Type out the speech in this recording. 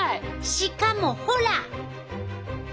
しかもほら！